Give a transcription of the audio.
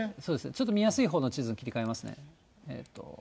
ちょっと見やすいほうの地図に切り替えますね。